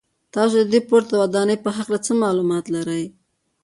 تاسو د دې پورته ودانۍ په هکله څه معلومات لرئ.